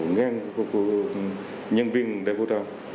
ngang nhân viên đại vụ trang